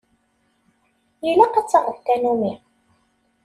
Ilaq ad taɣeḍ tanumi.